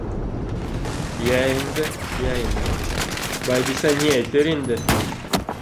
—Йә инде, йә инде, Байбисә ни әйтер инде!